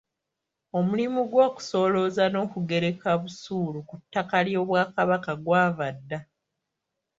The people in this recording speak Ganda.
Omulimu gw’okusolooza n’okugereka busuulu ku ttaka ly'Obwakabaka gwava dda.